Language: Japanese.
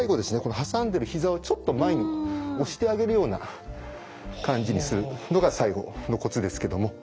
挟んでるひざをちょっと前に押してあげるような感じにするのが最後のコツですけども。